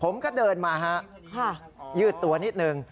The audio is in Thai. ผมก็เดินมาฮะยืดตัวนิดนึง